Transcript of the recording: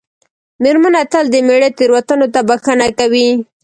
مېرمنه تل د مېړه تېروتنو ته بښنه کوي.